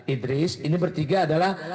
idris ini bertiga adalah